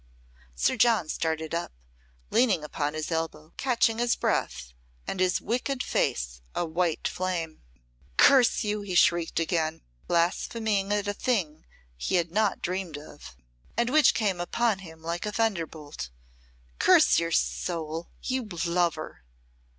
Sir John started up, leaning upon his elbow, catching his breath, and his wicked face a white flame. "Curse you!" he shrieked again, blaspheming at a thing he had not dreamed of, and which came upon him like a thunderbolt. "Curse your soul you love her!"